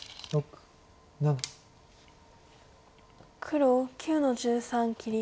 黒９の十三切り。